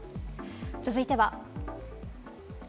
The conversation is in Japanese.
続いては。